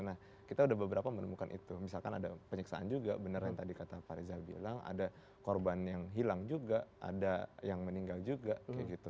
nah kita udah beberapa menemukan itu misalkan ada penyiksaan juga benar yang tadi kata pak rizal bilang ada korban yang hilang juga ada yang meninggal juga kayak gitu